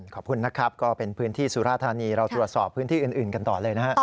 ขอบคุณนะครับก็เป็นพื้นที่สุราธานีเราตรวจสอบพื้นที่อื่นกันต่อเลยนะฮะ